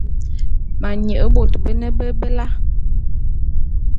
Ma nye bot bene bebela.